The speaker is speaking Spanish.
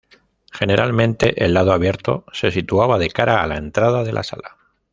Generalmente, el lado abierto se situaba de cara a la entrada de la sala.